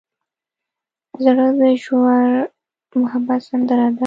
زړه د ژور محبت سندره ده.